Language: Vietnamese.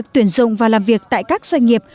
dùng và làm việc tại các doanh nghiệp